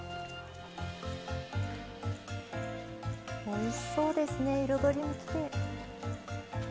おいしそうですね彩りもきれい。